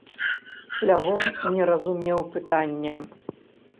Лявон не разумеў пытання.